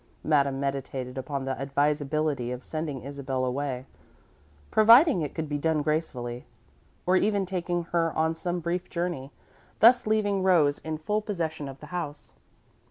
Madame meditated upon the advisability of sending Isabel away, providing it could be done gracefully, or even taking her on some brief journey, thus leaving Rose in full possession of the house.